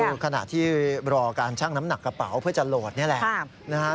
คือขณะที่รอการชั่งน้ำหนักกระเป๋าเพื่อจะโหลดนี่แหละนะฮะ